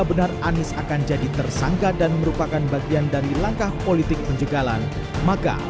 benar anies akan jadi tersangka dan merupakan bagian dari langkah politik penjegalan maka